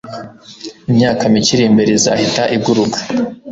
Imyaka mike iri imbere izahita iguruka